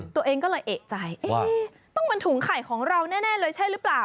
ตัวเองก็เลยเอกใจต้องเป็นถุงไข่ของเราแน่เลยใช่หรือเปล่า